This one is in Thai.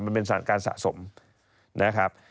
มันเป็นสารการสะสมนะครับ